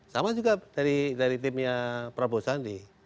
sama juga dari timnya prabowo sandi